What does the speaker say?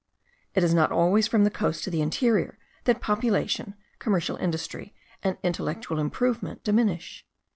It is not always from the coast to the interior, that population, commercial industry, and intellectual improvement, diminish.